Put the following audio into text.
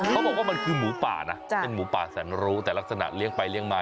เขาบอกว่ามันคือหมูป่านะเป็นหมูป่าแสนรู้แต่ลักษณะเลี้ยงไปเลี้ยงมา